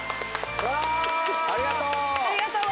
ありがとう！